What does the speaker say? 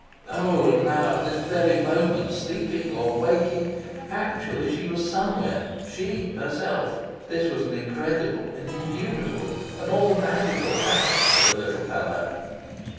Oh, and now, at this very moment, sleeping or waking, actually she was somewhere she! herself! This was an incredible, an indubitable, an all magical fact for the little fellow.